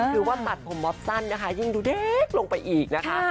คือว่าตัดผมมอบสั้นนะคะยิ่งดูเด็กลงไปอีกนะคะ